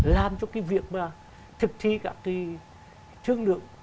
làm cho cái việc mà thực thi các cái chương lượng